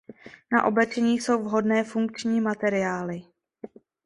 Na oblečení jsou vhodné funkční materiály.